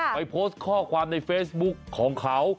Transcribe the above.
ไปโพสต์ข้อความในเฟซบุ๊คของเขา